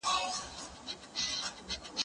زه پرون درسونه ولوستل؟!